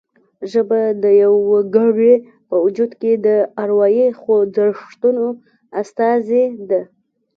ژبه د یوه وګړي په وجود کې د اروايي خوځښتونو استازې ده